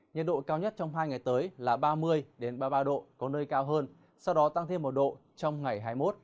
nhiệt độ cao nhất trong hai ngày tới là ba mươi ba mươi ba độ có nơi cao hơn sau đó tăng thêm một độ trong ngày hai mươi một